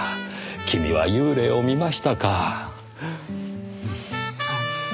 君は幽霊を見ましたか。